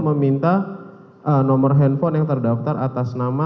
kami sudah menikmati nomor telepon yang terdaftar atas nama